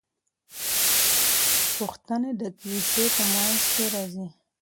پوښتنې د کیسې په منځ کې راځي.